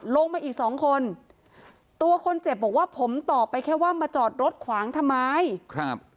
ลงมาอีกสองคนตัวคนเจ็บบอกว่าผมตอบไปแค่ว่ามาจอดรถขวางทำไมครับ